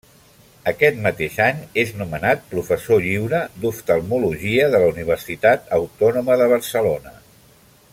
Aquest mateix any és nomenat professor lliure d'Oftalmologia de la Universitat Autònoma de Barcelona.